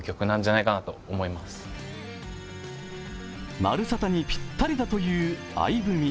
「まるサタ」にぴったりだという「愛文」。